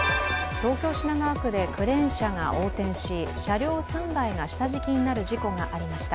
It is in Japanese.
東京・品川区でクレーン車が横転し、車両３台が下敷きになる事故がありました。